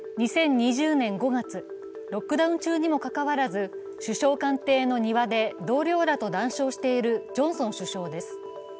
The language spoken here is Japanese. ２０２０年５月、ロックダウン中にもかかわらず首相官邸の庭で同僚らと談笑しているジョンソン首相です。